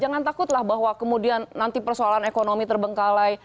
jangan takutlah bahwa kemudian nanti persoalan ekonomi terbengkalai